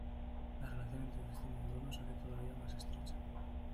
La relación entre Cristina y Bruno se hace todavía más estrecha.